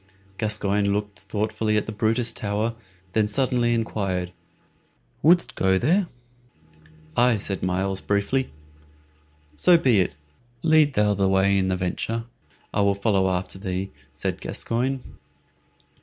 Gascoyne looked thoughtfully at the Brutus Tower, and then suddenly inquired, "Wouldst go there?" "Aye," said Myles, briefly. "So be it. Lead thou the way in the venture, I will follow after thee," said Gascoyne.